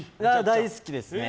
大好きですね。